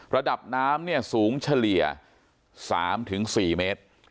ระดับน้ำเนี่ยสูงเฉลี่ยสามถึงสี่เมตร